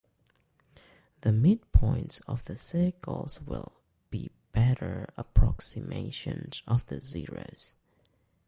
The midpoints of the circles will be better approximations of the zeros.